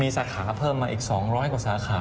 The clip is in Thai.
สาขาเพิ่มมาอีก๒๐๐กว่าสาขา